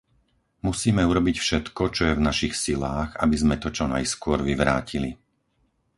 Musíme urobiť všetko, čo je v našich silách, aby sme to čo najskôr vyvrátili.